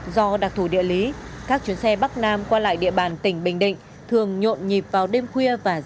do đặc thủ địa lý các chuyến xe bắc nam qua lại địa bàn tỉnh bình định thường nhộn nhịp vào đêm khuya và giữa